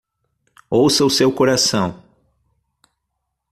Ouça o seu coração.